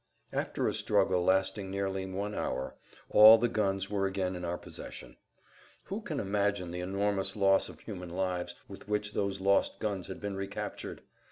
After a struggle lasting nearly one hour all the guns were again in our possession. Who can imagine the enormous loss of human lives with which those lost guns had been recaptured!